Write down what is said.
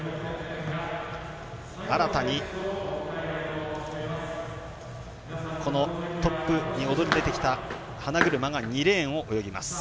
新たに、トップに躍り出てきた花車が２レーンを泳ぎます。